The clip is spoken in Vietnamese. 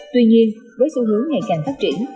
tuy nhiên với xu hướng ngày càng phát triển